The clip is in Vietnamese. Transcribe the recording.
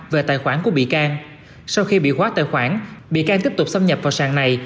về tài khoản của bị can sau khi bị khóa tài khoản bị can tiếp tục xâm nhập vào sàn này